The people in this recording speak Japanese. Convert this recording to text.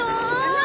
何！？